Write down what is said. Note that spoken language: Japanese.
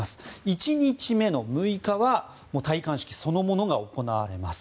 １日目の６日は戴冠式そのものが行われます。